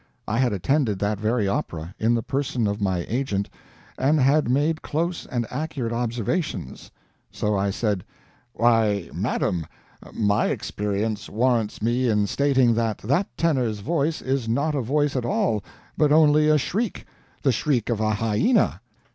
I had attended that very opera, in the person of my agent, and had made close and accurate observations. So I said: "Why, madam, MY experience warrants me in stating that that tenor's voice is not a voice at all, but only a shriek the shriek of a hyena."